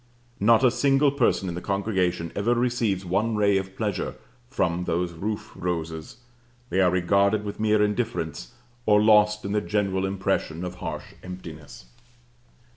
Not a single person in the congregation ever receives one ray of pleasure from those roof roses; they are regarded with mere indifference, or lost in the general impression of harsh emptiness.